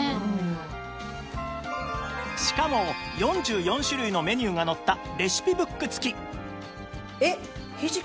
しかも４４種類のメニューが載ったレシピブック付きえっひじきの煮物？